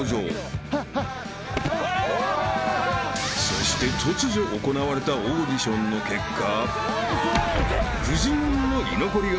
［そして突如行われたオーディションの結果］